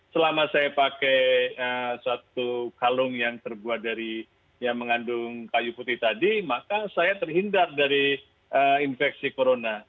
selama saya pakai satu kalung yang terbuat dari yang mengandung kayu putih tadi maka saya terhindar dari infeksi corona